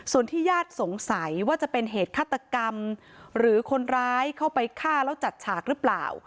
ส่วนที่ญาติสงสัยว่าจะเป็นเหตุฆาตกรรมหรือคนร้ายเข้าไปฆ่าแล้วจัดฉากหรือเปล่า